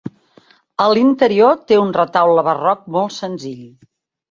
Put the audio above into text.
A l'interior té un retaule barroc molt senzill.